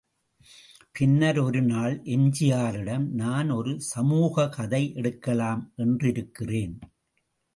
பின்னர் ஒரு நாள் எம்.ஜி.ஆரிடம், நான் ஒரு சமூகக் கதை எடுக்கலாம் என்றிருக்கிறேன்.